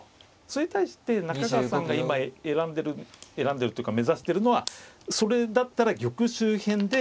それに対して中川さんが今選んでる選んでるというか目指してるのはそれだったら玉周辺で。